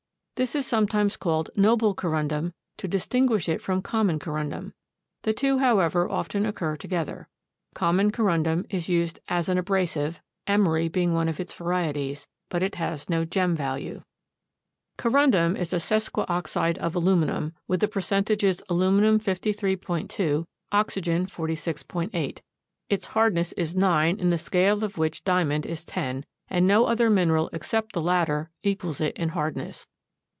This is sometimes called noble Corundum to distinguish it from common Corundum. The two, however, often occur together. Common Corundum is used as an abrasive, emery being one of its varieties, but it has no gem value. Corundum is a sesquioxide of aluminum, with the percentages aluminum 53.2, oxygen 46.8. Its hardness is 9 in the scale of which diamond is 10, and no other mineral except the latter equals it in hardness.